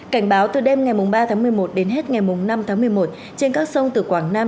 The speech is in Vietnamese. cảnh báo từ đêm ngày ba tháng một mươi một đến hết ngày năm tháng một mươi một trên các sông từ quảng nam